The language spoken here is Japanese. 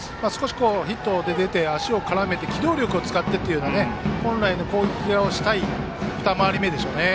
ヒットで出て、足を絡めて機動力を使ってという本来の攻撃をしたい二回り目でしょうね。